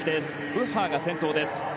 ブッハーが先頭です。